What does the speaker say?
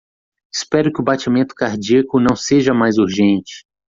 Espero que o batimento cardíaco não seja mais urgente.